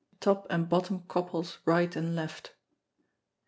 The top and bottom couples right and left.